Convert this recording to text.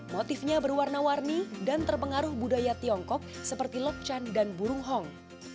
motifnya berwarna warni dan terpengaruh budaya tiongkok seperti lokchan dan burunghong